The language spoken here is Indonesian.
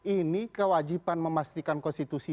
ini kewajiban memastikan konstitusi